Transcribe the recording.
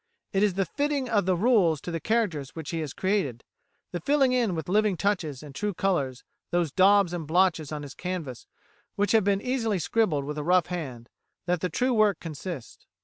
It is the fitting of the rules to the characters which he has created, the filling in with living touches and true colours those daubs and blotches on his canvas which have been easily scribbled with a rough hand, that the true work consists.